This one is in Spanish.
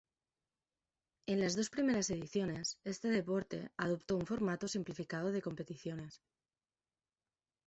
En las dos primeras ediciones este deporte adoptó un formato simplificado de competiciones.